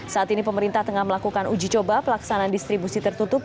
saat ini pemerintah tengah melakukan uji coba pelaksanaan distribusi tertutup